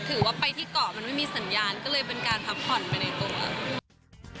ถือว่าไปที่เกาะมันไม่มีสัญญาณก็เลยเป็นการพักผ่อนไปในตัว